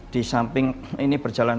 di samping ini berjalan